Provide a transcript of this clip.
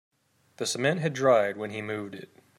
The cement had dried when he moved it.